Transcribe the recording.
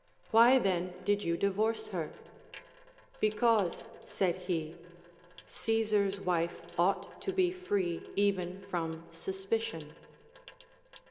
Why then did you divorce her ]— Because, said he, Caesar's wife ought to be free even from suspicion.